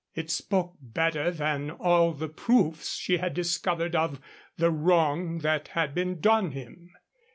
It spoke better than all the proofs she had discovered of the wrong that had been done him.